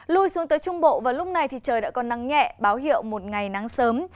lui xuống tới trung bộ vào lúc này thì trời đã còn nắng nhẹ báo hiệu một ngày nắng sớm